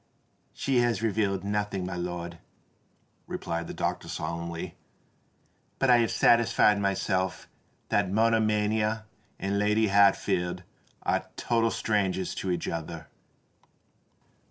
"She has revealed nothing, my lord," replied the doctor solemnly. "But I have satisfied myself that monomania and Lady Hatfield are total strangers to each other."